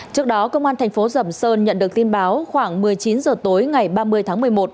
trước đó công an thành phố sầm sơn nhận được tin báo khoảng một mươi chín h tối ngày ba mươi tháng một mươi một